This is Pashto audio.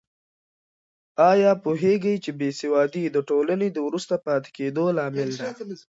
آیا پوهېږې چې بې سوادي د ټولنې د وروسته پاتې کېدو لامل ده؟